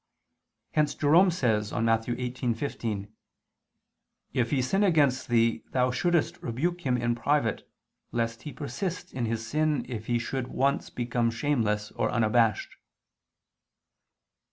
Hence Jerome says on Matt. 18:15: "If he sin against thee, thou shouldst rebuke him in private, lest he persist in his sin if he should once become shameless or unabashed."